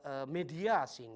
tidak mendapat media asing